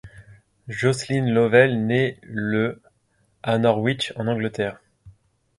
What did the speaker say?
Jocelyn Lovell naît le à Norwich en Angleterre.